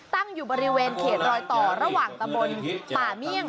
ตั้งอยู่บริเวณเขตรอยต่อระหว่างตะบนป่าเมี่ยง